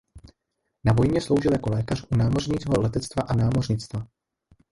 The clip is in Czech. Na vojně sloužil jako lékař u námořního letectva a námořnictva.